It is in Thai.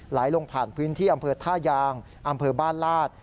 ไหลลงผ่านพื้นที่อำเภอท่ายางอำเภอบ้านลาด